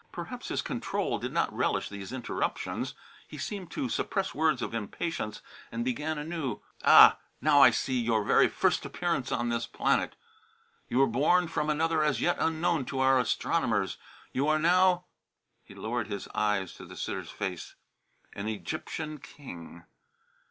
Perhaps his control did not relish these interruptions. He seemed to suppress words of impatience and began anew. "Ah! Now I see your very first appearance on this planet. You were born from another as yet unknown to our astronomers. You are now" he lowered his eyes to the sitter's face "an Egyptian king."